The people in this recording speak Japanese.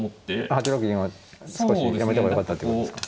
８六銀を少しやめてもよかったってことですか。